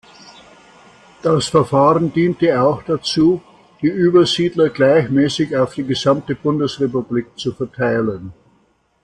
Das Verfahren diente auch dazu, die Übersiedler gleichmäßig auf die gesamte Bundesrepublik zu verteilen.